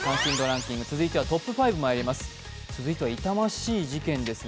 続いてはトップ５にまいります。